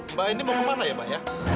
mbak ini mau kemana ya mbak ya